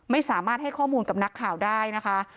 ไม่สามารถให้ข้อมูลกับนักข่าวได้นะคะ